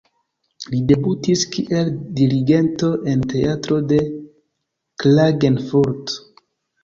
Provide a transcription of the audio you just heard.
Li debutis kiel dirigento en teatro de Klagenfurt.